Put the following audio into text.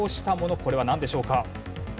これはなんでしょうか？